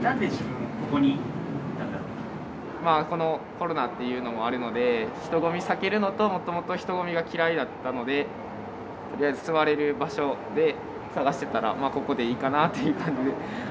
コロナっていうのもあるので人混み避けるのともともと人混みが嫌いだったのでとりあえず座れる場所で探してたらまあここでいいかなっていう感じで。